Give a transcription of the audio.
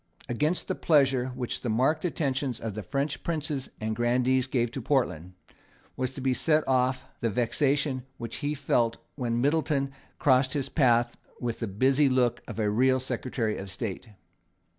Against the pleasure which the marked attentions of the French princes and grandees gave to Portland, was to be set off the vexation which he felt when Middleton crossed his path with the busy look of a real Secretary of State.